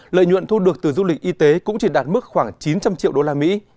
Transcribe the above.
lợi nhuận thu được từ du lịch y tế cũng chỉ đạt mức khoảng chín trăm linh triệu đô la mỹ